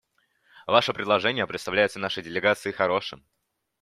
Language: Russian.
Ваше предложение представляется нашей делегации хорошим.